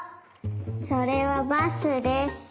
それはバスです。